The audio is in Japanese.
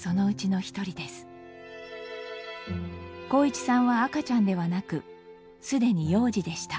航一さんは赤ちゃんではなくすでに幼児でした。